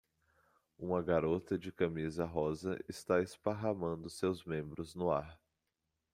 Uma garota de camisa rosa está esparramando seus membros no ar.